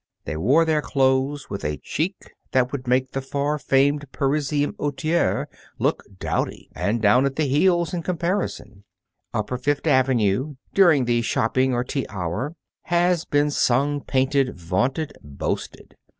They wore their clothes with a chic that would make the far famed Parisian outriere look dowdy and down at heel in comparison. Upper Fifth Avenue, during the shopping or tea hour, has been sung, painted, vaunted, boasted.